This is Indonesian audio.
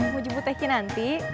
mau dijemput tehkin nanti